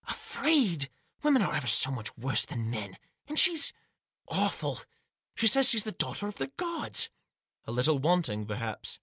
"Afraid! Women are ever so much worse than men. And she's — awful. She says she's the daughter of the gods." " A little wanting, perhaps."